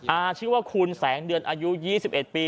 ชื่อว่าคุณแสงเดือนอายุ๒๑ปี